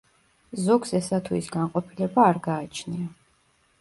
ზოგს ესა თუ ის განყოფილება არ გააჩნია.